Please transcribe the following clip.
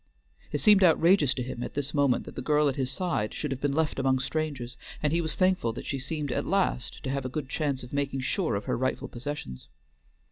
It seemed outrageous to him at this moment that the girl at his side should have been left among strangers, and he was thankful that she seemed at last to have a good chance of making sure of her rightful possessions.